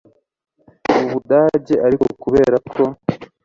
mu budage ariko kubera ko